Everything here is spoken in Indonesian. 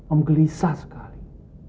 om gelisah sekali